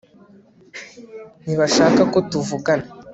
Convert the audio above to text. ntibashaka ko tuvugana